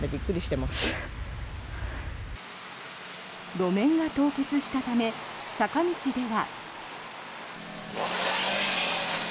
路面が凍結したため坂道では。